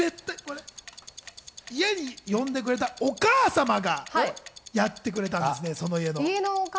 家に呼んでくれたお母様がやってくれたそうです。